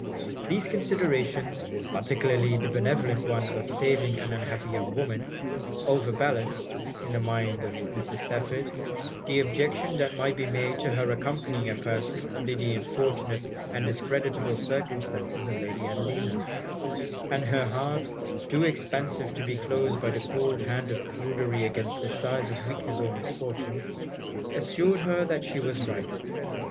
These considerations, particularly the benevolent one of saving an unhappy young woman, over balanced, in the mind of Mrs. Stafford, the objection that might be made to her accompanying a person under the unfortunate and discreditable circumstances of Lady Adelina; and her heart, too expansive to be closed by the cold hand of prudery against the sighs of weakness or misfortune, assured her that she was right.